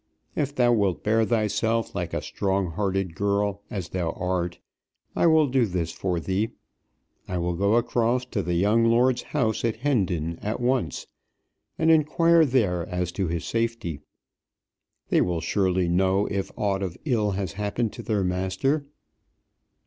If thou wilt bear thyself like a strong hearted girl, as thou art, I will do this for thee. I will go across to the young lord's house at Hendon at once, and inquire there as to his safety. They will surely know if aught of ill has happened to their master."